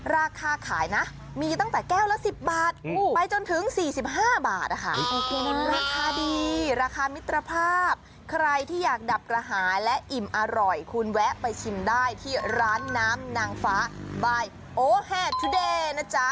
ราคาขายนะมีตั้งแต่แก้วละ๑๐บาทไปจนถึง๔๕บาทนะคะราคาดีราคามิตรภาพใครที่อยากดับกระหายและอิ่มอร่อยคุณแวะไปชิมได้ที่ร้านน้ำนางฟ้าบายโอแฮดทุเดนะจ๊ะ